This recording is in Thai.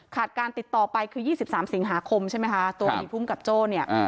การติดต่อไปคือ๒๓สิงหาคมใช่ไหมคะตัวอดีตภูมิกับโจ้เนี่ย